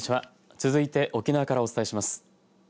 続いて、沖縄からお伝えします。